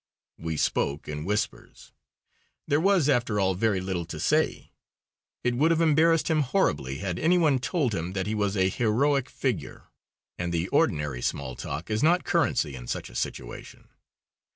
We spoke in whispers. There was after all very little to say. It would have embarrassed him horribly had any one told him that he was a heroic figure. And the ordinary small talk is not currency in such a situation.